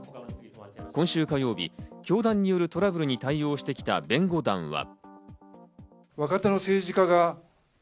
今週火曜日、教団によるトラブルに対応してきた弁護団は。